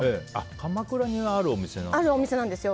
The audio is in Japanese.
鎌倉にあるお店なんだ。